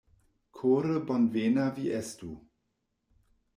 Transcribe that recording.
Kore bonvena vi estu!